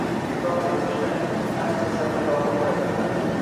Kitob yozishda ancha sabr-toqat talab etiladi.